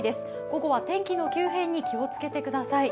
午後は天気の急変に気をつけてください。